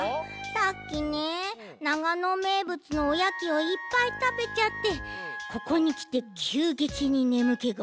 さっきね長野めいぶつの「おやき」をいっぱいたべちゃってここにきてきゅうげきにねむけが。